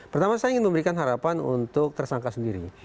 pertama saya ingin memberikan harapan untuk tersangka sendiri